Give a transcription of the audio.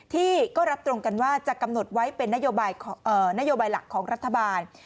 ที่ก็รับตรงกันว่าจะกำหนดไว้เป็นนโยบายหลักของรัฐบาล